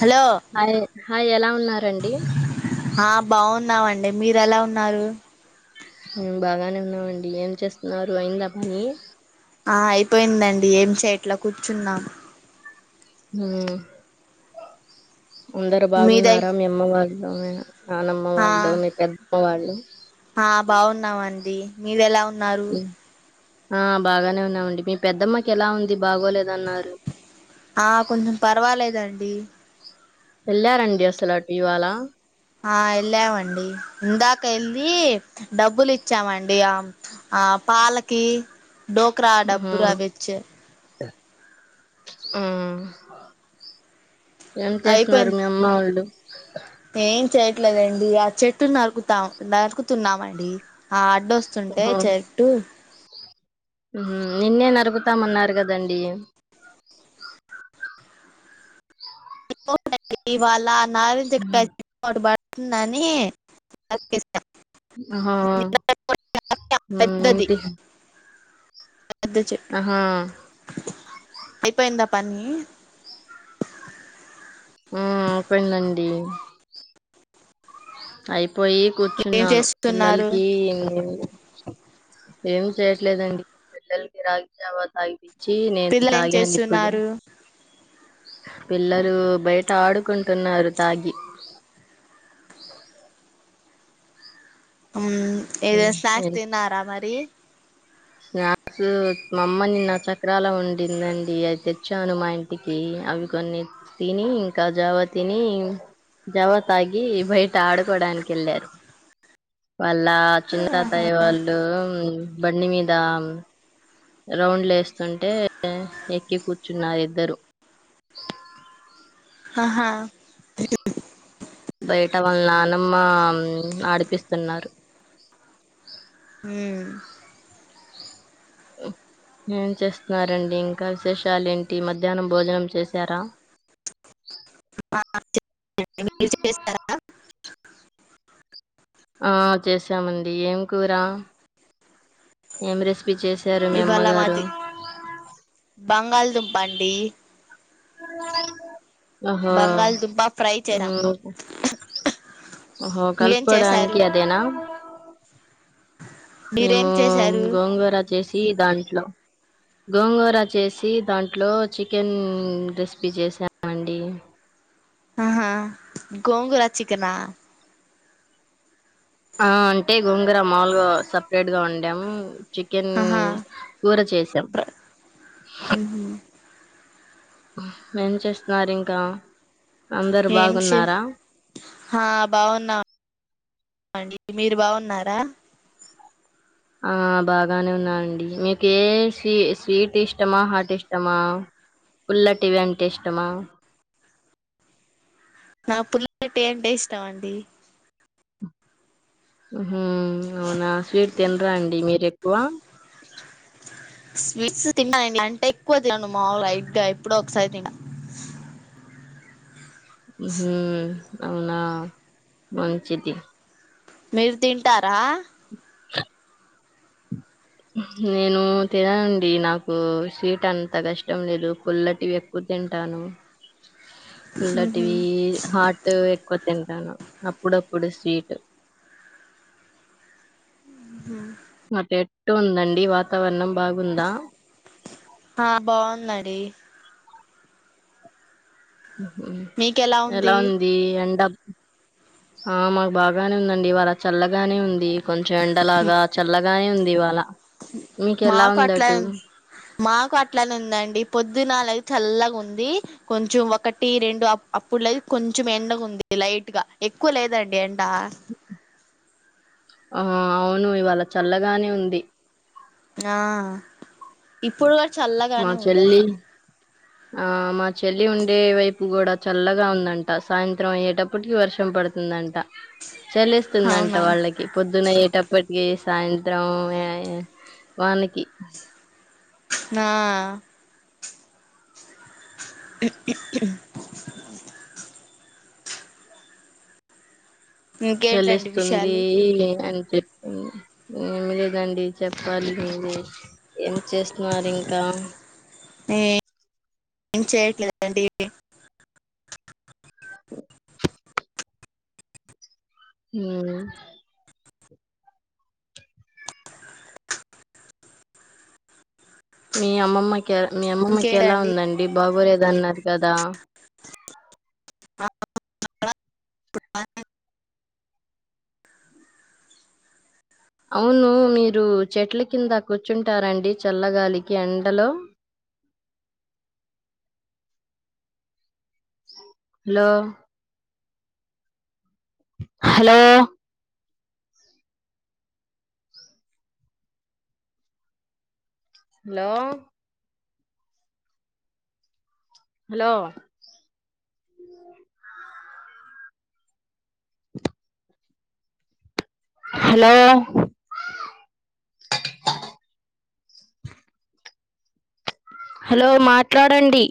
Hello hello hi ఎలా ఉన్నారండి? ఆ బాగున్నామండి. మీరు ఎలా ఉన్నారు? మేం బాగానే ఉన్నామండి. ఏం చేస్తున్నారు, అయిందా పని? ఆ అయిపోయిందండి ఏం చేయట్లా కూర్చున్నాం. హూమ్ అందరు మీదై బాగున్నారా మీ అమ్మ వాళ్ళు, నాన్నమ్మ ఆ వాళ్ళు, మీ పెద్దమ్మ వాళ్ళు. ఆ బాగున్నామండి మీది ఎలా ఉ నరుూ ఉమ్, ఆ బాగానే ఉన్నామండి మీ పెద్దమ్మకి ఎలా ఉంది? బాగోలేదన్నారు. ఆ కొంచెం పర్వాలేదండి. అడి వెళ్ళారండి అసలు అటు ఇవాాల ఆ వెళ్ళామండి ఇందాక వెళ్లి డబ్బులు ఇచ్చామండి ఆ ఆ పాలకి డోకరా ఉహు డబ్బు వచ్చ ఆ ఏం చేస్తున్నారు అయిపోయింది మీ అమ్మ వాళ్ళు ఏం చెయట్లేదండి ఆ చెట్టు నరుకుతాం నరుకుతున్నామండి ఆ వడ్డొస్తుంటే ఉహు చెట్టు నిన్నే నరుకుతామన్నారు కదండి న వాాలా నారంజకాయటు బా ననేే హా ఎ ఇప్ప ఎ పనీ ఆ అపోయిందండి. అయిపో పోయి ఏం కూర్చున్నాను చేస్తున్నారు పిల్లలకి ఏ ఏం చేయట్లేదండి పిల్లలకి రాగి అవా తాగి. జీ పిల్లలు ఏం నేనుాగడి చేస్తున్నారు పిల్లలు బయట ఆడుకుంటున్నారు తాగి అ ఇదనా స్నాక్స్ ఉమ్, తిన్నారా మరి స్నాక్స్ మా అమ్మనిన్న చక్రాల ఉండిందండి అవి తెచ్చాను మా ఇంటికి అవి కొన్ని తిని ఇంకా జవా తిని జవా తాగి బయట ఆడుకోడానికి వెళ్ళారు వాళ్ళ చిన్నాతయ్య వాళ్ళు బండి మీద దాం రౌండ్లు వేస్తుంటే ఎక్కి కూర్చున్నారు ఇద్దరు ఆహా బయట వాళ్ళు నానమ్ ఆడిపిస్తున్నారు మ్మ్, ఏం చేస్తున్నారంండి ఇంకా విశేషాలు ఏంటి మధ్యాహ్నం భోజనం చేసారా ూజ చేస్తారా ఆ చేసామండి ఏం కూర ఏం రెస్ ఇవళ మాది బంగాల్దు బండి అ ఆహో బంగాళదుంప ఫ్రై చేసాం ఆహో మీరేం చేశారు కలుపుకోడానికి అదేనా మీరేం మేము చేశారు గోంగూర చేసి దాంట్లో గోంగోర చేసి దాంట్లో చికెన్ రెసిపీ చేసామండి ఆహా గోంగూర చికనా ఆ అంటే గుంగర మాలుగా సపరేట్ గా ఉండాము చికెన్ ఆహా కూర చేసాం ప్ర- మ్మ్. ఏేం చేస్తున్నారు ఇంకా అందరు ఏం చె బాగున్నారా హా బావ నా మీరు బాగున్నారా ఆ బాగానే ఉన్నానండి మీకు ఏ స్వీ స్వీట్ ఇష్టమా హార్ట్ ఇష్టమా పుల్లటివి అంటే ఇష్టమా నా పుల్లకట్టటి అంటే ఇష్టం అండి ఆ అవునా స్వీట్ తినరా అండి మీరు త స్వీట్స్ తిన్నాను ఇంట్లా అంటే ఎక్కువ తినను మాలు ఇడ్గా ఎప్పుడ ఒకసారి తన్నా హ అవునా మంచిది మీరు తింటారా నేను తిననండి నాకు సవీట్ అంత కష్టం లేదు కుల్లటివి ఎక్కువ తింటాను ఉహు. పుల్లటివి హాట్ ఎక్కువ తింటాను అప్పుడప్పుడు స్వీట్ ఆ మతే ఎట్టు ఉందండి వాతావరణం బాగుందా ఆ బాగున్నాడి ఎలా ఉంది ఎండ ఆ మాకు బాగానే ఉందండి వాళ్ళ చల్లగానే ఉంది కొంచెం ఎండలాగా చల్లగానే ఉంది దివాల మాకు అట్లా మాకు అట్లనే ఉందండి పొద్దునాలై చల్లగా ఉంది కొంచెం ఒకటి రెండు అప్పుడు లే కొంచెం ఎండగా ఉంది లైట్ గా ఎక్కువ లేదండి ఎండ ఆ అవును ఇవాళ చల్లగానే ఉంది ఆ ఇప్పుడు మా చల్లగానే ఉండేస చెల్లి ఆ మా చెల్లి ఉండే వైపు కూడా చల్లగా ఉందంట సాయంత్రం అయ్యేటప్పటికి వర్షం పడుతుందంట చల్లిస్తుందంట అవునా వాళ్ళకి పొద్దునయ్యేటప్పటికి సాయంత్రం ఆ వానకి నా ఇంకేంటండి చాలేస్తుంది విషయాలు ఇ అన్ ఎమి లేదండి చెప్పాలి మిలే ఏం చేస్తున్నారు ఇంక్ త నే ఏం చెయట్లేదండి హుం మీ అమ్మమ్మ మీ అమ్మమ్మకి ఎలా ఇంకేంటండి ఉందండి బాబోలేద అన్నార్ కదా [unintelligible] అవును మీరు చెట్ల కింద కూర్చుంటారండి చల్లగాలికి ఎండలో లో hello hello hello [unintelligible] hello hello మాట్లాడండి